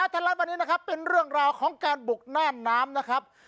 สีสันข่าวช้าธนรัฐวันนี้เป็นเรื่องราวของการบกน่านน้ำครับ